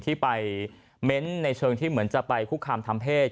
ที่ไปเม้นต์ในเชิงที่เหมือนจะไปคุกคามทางเพศ